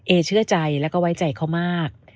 เอเชื่อใจแล้วก็ไว้ใจเขามาก